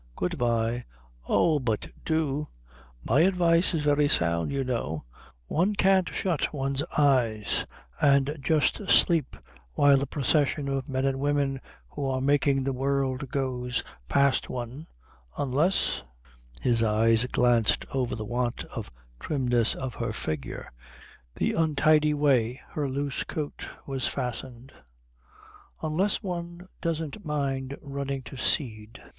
Good bye." "Oh, but do " "My advice is very sound, you know. One can't shut one's eyes and just sleep while the procession of men and women who are making the world goes past one, unless" his eyes glanced over the want of trimness of her figure, the untidy way her loose coat was fastened "unless one doesn't mind running to seed."